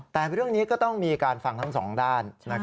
แต่เรื่องนี้ก็ต้องมีการฟังทั้งสองด้าน